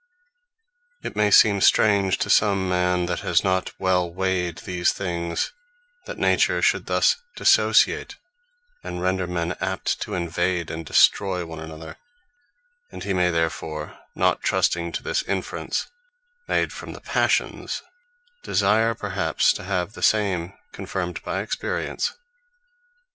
It may seem strange to some man, that has not well weighed these things; that Nature should thus dissociate, and render men apt to invade, and destroy one another: and he may therefore, not trusting to this Inference, made from the Passions, desire perhaps to have the same confirmed by Experience.